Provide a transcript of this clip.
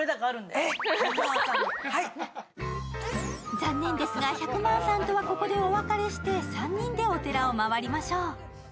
残念ですが、ひゃくまんさんとはここでお別れして３人でお寺を回りましょう。